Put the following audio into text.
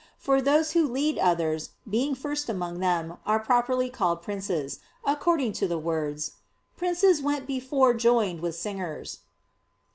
For those who lead others, being first among them, are properly called "princes," according to the words, "Princes went before joined with singers" (Ps.